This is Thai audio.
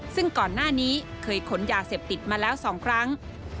ซึ่งก่อนหน้านี้เคยขนยาเสพติดมาแล้ว๒ครั้ง